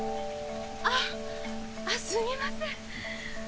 あすみません。